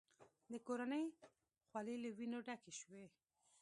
د کورنۍ خولې له وینو ډکې شوې.